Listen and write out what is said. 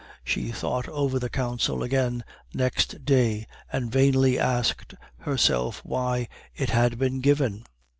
She thought over the counsel again next day, and vainly asked herself why it had been given."